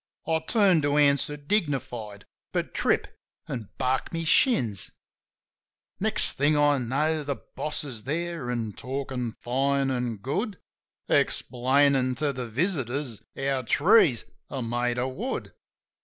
I turn to answer dignified ; but trip, an' bark my shins. THE VISION 41 Next thing I know the boss is there, an' talkin' fine an' good, Explainin' to the visitors how trees are made of wood.